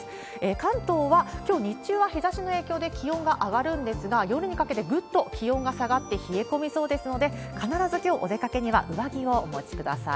関東はきょう、日中は日ざしの影響で気温が上がるんですが、夜にかけてぐっと気温が下がって冷え込みそうですので、必ずきょう、お出かけには上着をお持ちください。